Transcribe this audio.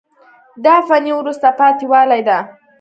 دا فني وروسته پاتې والی ده.